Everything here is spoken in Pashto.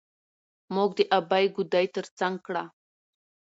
موږ د ابۍ ګودى تر څنګ کړه.